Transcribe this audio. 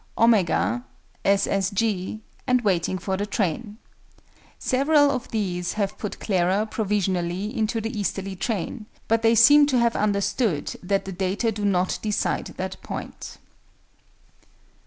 OMEGA, S. S. G., and WAITING FOR THE TRAIN. Several of these have put Clara, provisionally, into the easterly train: but they seem to have understood that the data do not decide that point.